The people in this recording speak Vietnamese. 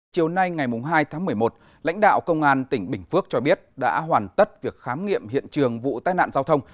chiều nay ngày hai tháng một mươi một lãnh đạo công an tỉnh bình phước cho biết đã hoàn tất việc khám nghiệm hiện trường vụ tai nạn giao thông